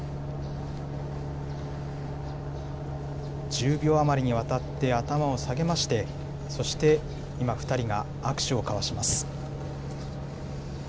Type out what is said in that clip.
１０秒余りにわたって頭を下げまして、そして今、２人が握手を交わします。